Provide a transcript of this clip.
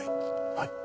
はい。